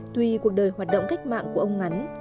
tuy cuộc đời hoạt động cách mạng của ông ngắn